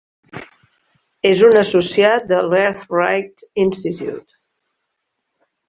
És un associat de l'Earth Rights Institute.